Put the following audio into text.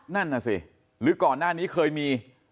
นั่นน่ะสิหรือก่อนหน้านี้เคยมี